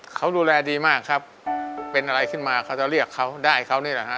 เขาดูแลดีมากครับเป็นอะไรขึ้นมาเขาจะเรียกเขาได้เขานี่แหละฮะ